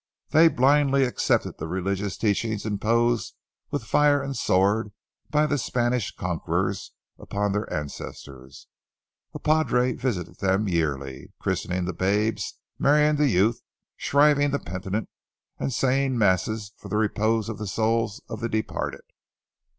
They blindly accepted the religious teachings imposed with fire and sword by the Spanish conquerors upon their ancestors. A padre visited them yearly, christening the babes, marrying the youth, shriving the penitent, and saying masses for the repose of the souls of the departed.